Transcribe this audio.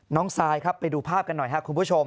ซายครับไปดูภาพกันหน่อยครับคุณผู้ชม